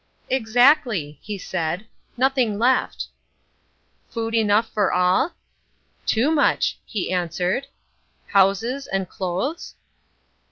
"Exactly," he said, "nothing left." "Food enough for all?" "Too much," he answered. "Houses and clothes?"